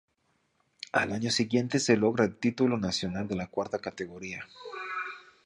Al año siguiente se logra el título nacional de la cuarta categoría.